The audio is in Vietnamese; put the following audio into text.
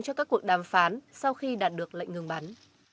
cho các cuộc đàm phán sau khi đạt được lệnh ngừng bắn